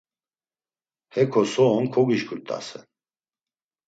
Heko so on kogişǩurt̆asen.